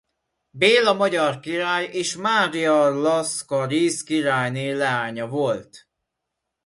Béla magyar király és Mária Laszkarisz királyné leánya volt.